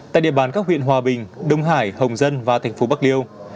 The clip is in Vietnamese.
tại địa bàn các huyện hòa bình đông hải hồng dân và tp bạc liêu